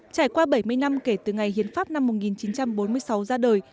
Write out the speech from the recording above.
trải qua bảy mươi năm kể từ ngày hiến pháp năm một nghìn chín trăm bốn mươi sáu ra đời